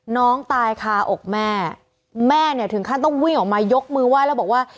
น้องตายคาอกแม่แม่เนี่ยถึงขั้นต้องวิ่งออกมายกมือไหว้แล้วบอกว่า